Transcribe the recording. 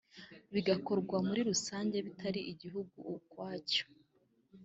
bigakorwa muri rusange bitari igihugu ukwacyo